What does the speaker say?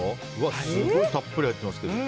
すごいたっぷり入ってますね。